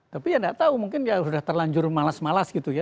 tapi ya nggak tahu mungkin ya sudah terlanjur malas malas gitu ya